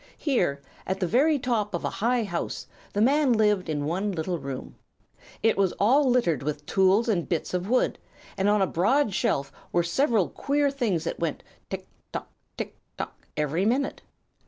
Here, at the very top of a high house, the man lived in one little room. It was all littered with tools and bits of wood, and on a broad shelf were several queer things that went 'tick tock! tick tock!' every minute.